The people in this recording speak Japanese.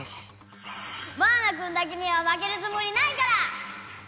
回そうマウナくんだけには負けるつもりないから！